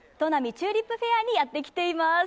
チューリップフェアにやってきています。